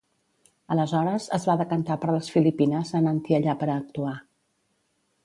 Aleshores, es va decantar per les Filipines anant-hi allà per a actuar.